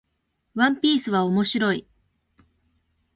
ワンピースは面白い